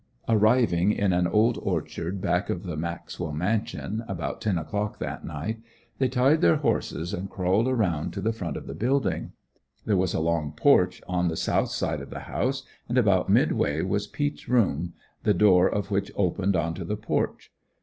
Arriving in an old orchard back of the Maxwell mansion about ten o'clock that night, they tied their horses and crawled around to the front of the building. There was a long porch on the south side of the house and about midway was Peet's room, the door of which opened onto the porch.